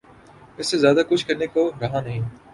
اس سے زیادہ کچھ کرنے کو رہا نہیں۔